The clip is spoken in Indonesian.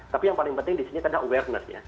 tapi yang paling penting di sini adalah awareness nya